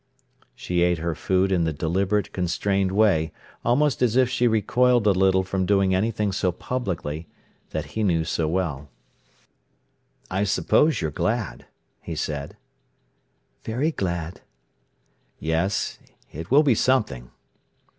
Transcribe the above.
She ate her food in the deliberate, constrained way, almost as if she recoiled a little from doing anything so publicly, that he knew so well. "I suppose you're glad," he said. "Very glad." "Yes—it will be something."